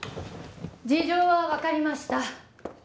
事情はわかりました。